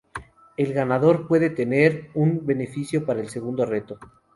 El ganador puede tener un beneficio para el segundo reto.